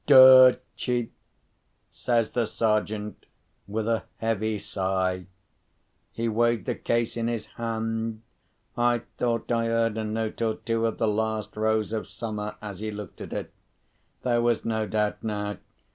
"Dirt cheap!" says the Sergeant, with a heavy sigh. He weighed the case in his hand. I thought I heard a note or two of "The Last Rose of Summer" as he looked at it. There was no doubt now!